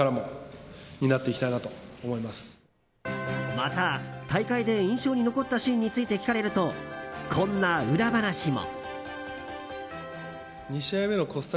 また、大会で印象に残ったシーンについて聞かれると、こんな裏話も。